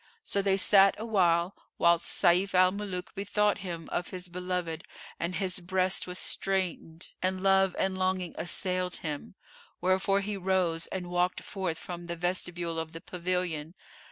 So they sat awhile, whilst Sayf al Muluk bethought him of his beloved and his breast was straitened and love and longing assailed him: wherefore he rose and walked forth from the vestibule of the pavilion.